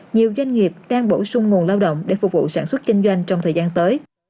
nhiều doanh nghiệp đang bổ sung nguồn lao động để phục vụ sản xuất kinh doanh trong thời gian tới